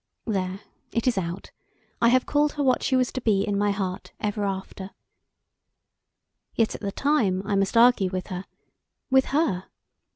There, it is out! I have called her what she was to be in my heart ever after. Yet at the time I must argue with her with her!